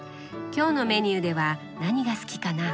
今日のメニューでは何が好きかな？